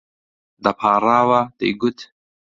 دەپاڕاوە، دەیگوت: